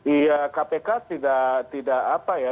iya kpk tidak apa ya